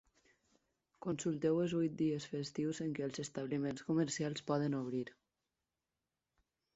Consulteu els vuit dies festius en què els establiments comercials poden obrir.